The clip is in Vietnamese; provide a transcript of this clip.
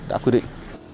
đã quy định